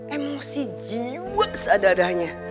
emosi jiwa seadah adahnya